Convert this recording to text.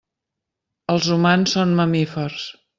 Els humans són mamífers.